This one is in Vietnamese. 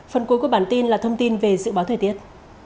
phần cuối của bản tin là thông tin về dự báo thời tiết